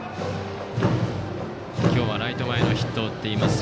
今日はライト前のヒットを打っています。